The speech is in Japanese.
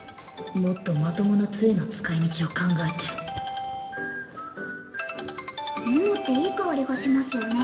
もっとまともな杖の使い道を考えて桃っていい香りがしますよね